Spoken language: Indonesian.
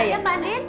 ayolah mbak adin